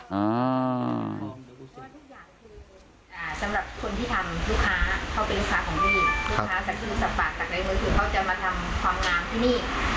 เพราะว่าทุกอย่างคือสำหรับคนที่ทำลูกค้าเขาเป็นลูกค้าของพี่